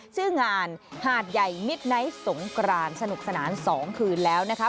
ชื่องานหาดใหญ่มิดไนท์สงกรานสนุกสนาน๒คืนแล้วนะคะ